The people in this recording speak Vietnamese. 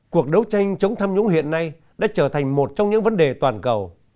cuộc đấu tranh chống tham nhũng hiện nay đã trở thành một trong những vấn đề toàn cầu